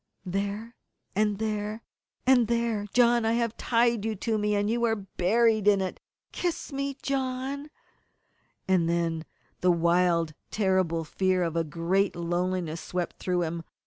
"There and there and there, John! I have tied you to me, and you are buried in it! Kiss me, John " And then the wild and terrible fear of a great loneliness swept through him.